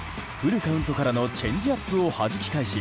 フルカウントからのチェンジアップをはじき返し